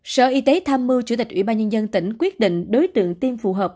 sở y tế tham mưu chủ tịch ủy ban nhân dân tỉnh quyết định đối tượng tiêm phù hợp